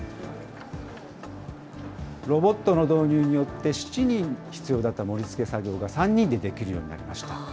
ロボットの導入によって、７人必要だった盛りつけ作業が３人でできるようになりました。